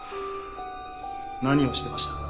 何をしてましたか？